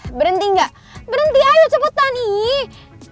eh berhenti enggak berhenti ayo cepetan iiih